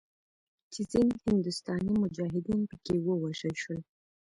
چې ځینې هندوستاني مجاهدین پکښې ووژل شول.